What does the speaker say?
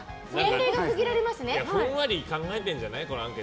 でもふんわり考えてるんじゃない？